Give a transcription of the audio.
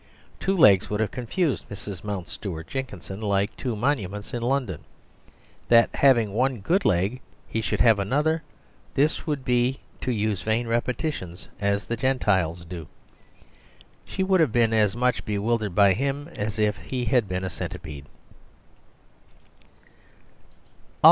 Two legs would have confused Mrs. Mountstuart Jenkinson like two Monuments in London. That having had one good leg he should have another this would be to use vain repetitions as the Gentiles do. She would have been as much bewildered by him as if he had been a centipede.